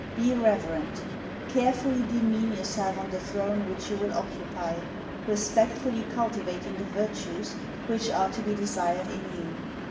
Be reverent. Carefully demean yourself on the throne which you will occupy, respectfully cultivating the virtues which are to be desired in you.